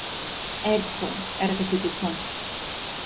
ГӀебка. ГӀергъи дуканти.